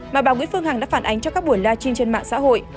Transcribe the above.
mà bà nguyễn phương hằng đã phản ánh cho các buổi live trên mạng xã hội